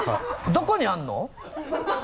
どこにあるの？